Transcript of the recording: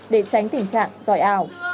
để tránh tình trạng dòi ảo